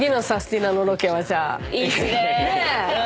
いいっすね。